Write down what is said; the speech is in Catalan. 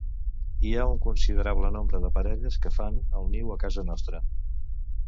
Hi ha un considerable nombre de parelles que fan el niu a casa nostra.